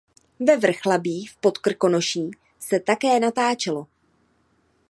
Ve Vrchlabí v Podkrkonoší se také natáčelo.